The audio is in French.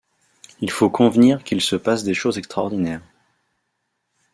Il faut convenir qu’il se passe des choses extraordinaires.